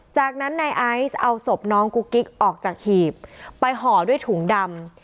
จากนั้นนายไอซ์เอาศพน้องกุ๊กกิ๊กออกจากหีบไปห่อด้วยถุงดำ